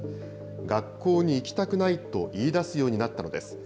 学校に行きたくないと言い出すようになったのです。